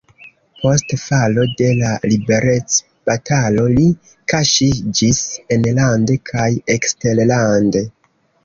Post falo de la liberecbatalo li kaŝiĝis enlande kaj eksterlande.